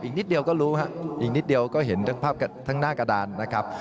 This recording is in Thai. อีกนิดเดียวก็รู้ครับอีกนิดเดียวก็เห็นทั้งภาพทั้งหน้ากระดานนะครับ